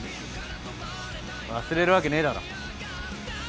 忘れるわけねえだろ。